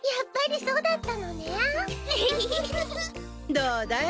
どうだい？